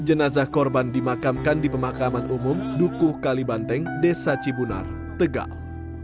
jenazah korban dimakamkan di pemakaman umum dukuh kalibanteng desa cibunar tegal